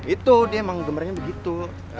itu dia emang gemarnya begitu